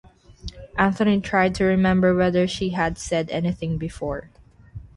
Anthony tried to remember whether she had said anything before.